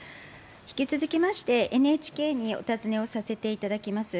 引き続きまして、ＮＨＫにお尋ねをさせていただきます。